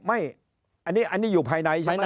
อันนี้อยู่ภายในใช่ไหมครับ